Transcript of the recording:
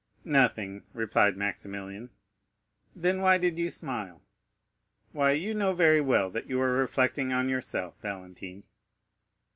"Nothing," replied Maximilian. "Then why did you smile?" "Why, you know very well that you are reflecting on yourself, Valentine."